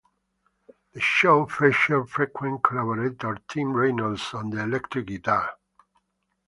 The show featured frequent collaborator Tim Reynolds on the electric guitar.